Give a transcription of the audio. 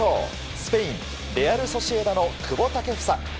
スペイン、レアル・ソシエダの久保建英。